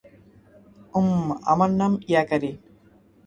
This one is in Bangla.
উম, আমার নাম ইয়াকারি।